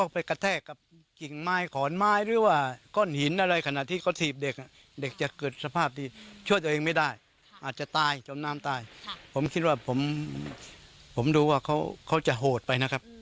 ผมรู้ว่าเขาจะโหดไปนะครับ